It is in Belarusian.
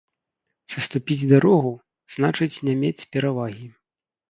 Саступіць дарогу, значыць не мець перавагі